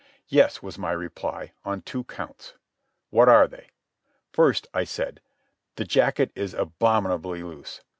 "Yes," was my reply. "On two counts." "What are they?" "First," I said, "the jacket is abominably loose.